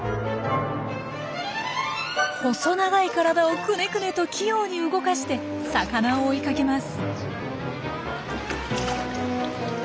細長い体をくねくねと器用に動かして魚を追いかけます。